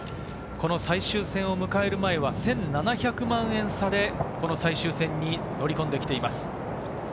最終戦を迎える前は１７００万円差で最終戦に乗り込んできています。